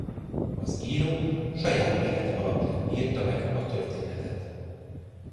Az író saját élete alapján írta meg a történetet.